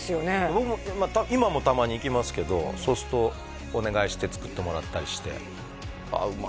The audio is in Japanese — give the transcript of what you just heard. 僕も今もたまに行きますけどそうするとお願いして作ってもらったりしてああうま